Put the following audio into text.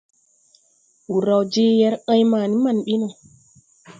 Wur raw je wer en ma ni man bi no.